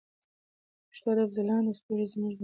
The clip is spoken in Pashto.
د پښتو ادب ځلانده ستوري زموږ د ملي ویاړ او سرلوړي نښه ده.